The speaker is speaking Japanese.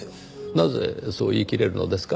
なぜそう言いきれるのですか？